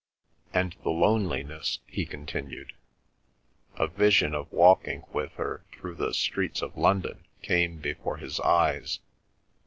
"And the loneliness!" he continued. A vision of walking with her through the streets of London came before his eyes.